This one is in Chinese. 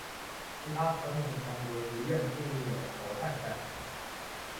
其他传统强国如愿进入了淘汰赛。